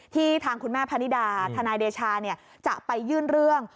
ทางคุณแม่พนิดาทนายเดชาจะไปยื่นเรื่อง